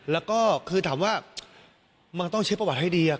แล้วก็คือถามว่ามันต้องใช้ประวัติให้ดี